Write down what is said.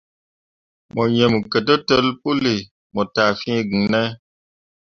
Mo yim ketǝtel puuli mo taa fĩĩ giŋ ne ?